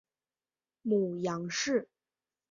母杨氏。